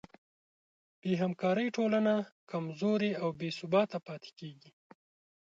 بېهمکارۍ ټولنه کمزورې او بېثباته پاتې کېږي.